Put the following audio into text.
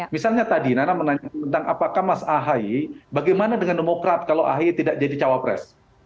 misalnya tadi nana menanyakan tentang apakah mas ahy bagaimana dengan demokrat kalau ahy tidak jadi cawapres